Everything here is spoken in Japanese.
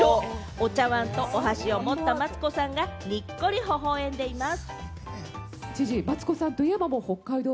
お茶わんとお箸を持ったマツコさんが、にっこり微笑んでいます。